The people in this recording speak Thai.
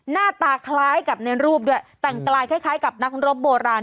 หน้าตาคล้ายกับในรูปด้วยแต่งกายคล้ายกับนักรบโบราณ